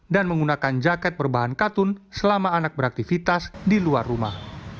dan menggunakan jaket berbahan katun selama anak beraktivitas di luar rumah